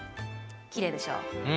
きれいでしょう？